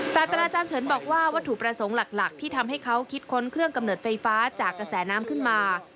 ศาสตราจารย์เฉินบอกว่าวัตถุประสงค์หลักที่ทำให้เขาคิดค้นเครื่องกำเนิดไฟฟ้าจากกระแสน้ำขึ้นมา